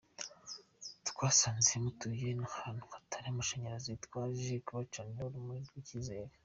Twasanze mutuye n’ ahantu hatari amashanyarazi, twaje kubacanira urumuri rw’icyizere.